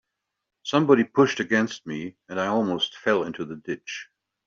Somebody pushed against me, and I almost fell into the ditch.